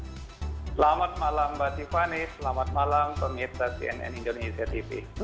selamat malam mbak tiffany selamat malam pemirsa cnn indonesia tv